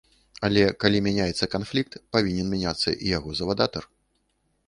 Але калі мяняецца канфлікт, павінен мяняцца і яго завадатар.